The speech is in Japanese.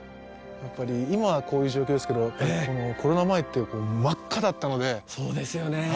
やっぱり今はこういう状況ですけどコロナ前ってこう真っ赤だったのでそうですよね